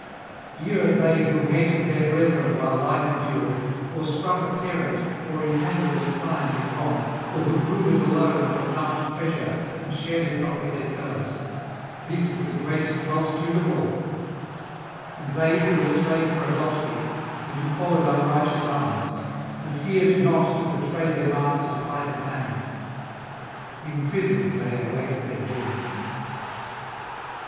Here are they who hated their brethren while life endured, or struck a parent or entangled a client in wrong, or who brooded [610 643]alone over found treasure and shared it not with their fellows, this the greatest multitude of all; and they who were slain for adultery, and who followed unrighteous arms, and feared not to betray their masters' plighted hand. Imprisoned they await their doom.